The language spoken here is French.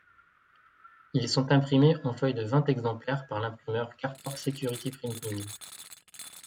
Ils sont imprimés en feuille de vingt exemplaires par l'imprimeur Cartor Security Printing.